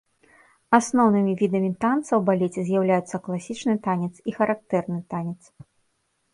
Асноўнымі відамі танца ў балеце з'яўляюцца класічны танец і характэрны танец.